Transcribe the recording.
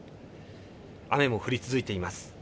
雨も降り続いています。